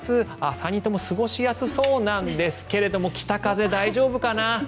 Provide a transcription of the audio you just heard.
３人とも過ごしやすそうなんですが北風、大丈夫かな？